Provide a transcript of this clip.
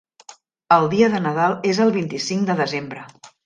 El dia de Nadal és el vint-i-cinc de desembre.